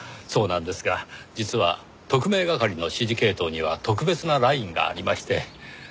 そうなんですが実は特命係の指示系統には特別なラインがありまして。